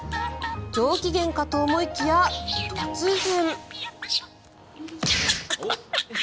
上機嫌かと思いきや突然。